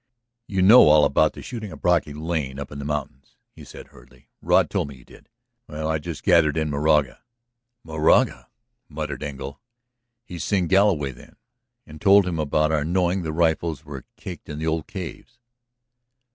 "You know all about the shooting of Brocky Lane up in the mountains," he said hurriedly. "Rod told me you did. Well, I just gathered in Moraga!" "Moraga?" muttered Engle. "He has seen Galloway, then? And told him all about our knowing the rifles were cached in the old caves?"